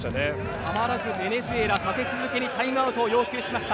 たまらずベネズエラ立て続けにタイムアウトを要求しました。